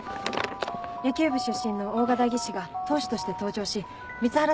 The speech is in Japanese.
野球部出身の大賀代議士が投手として登場し光原